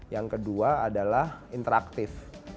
yang kedua adalah interaktif